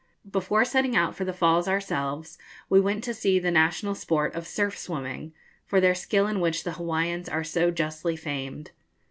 Before setting out for the Falls ourselves, we went to see the national sport of surf swimming, for their skill in which the Hawaiians are so justly famed.